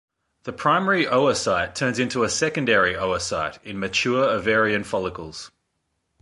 The primary oocyte turns into a secondary oocyte in mature ovarian follicles.